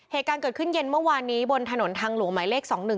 เหตุการณ์เกิดขึ้นเย็นเมื่อวานนี้บนถนนทางหลวงหมายเลข๒๑